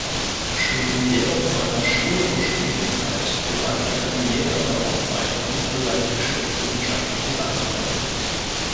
Schon während seiner Schul- und Studienzeit gewann er mehrere Auszeichnungen für seine geschichtswissenschaftlichen Leistungen.